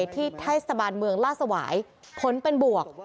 ที่ไทยสถาบันเมืองล่าสวายผลเป็นบวก